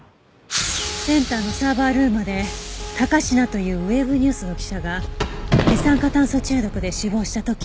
センターのサーバールームで高階というウェブニュースの記者が二酸化炭素中毒で死亡した時。